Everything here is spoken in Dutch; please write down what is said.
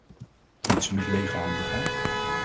Moet ze met lege handen gaan?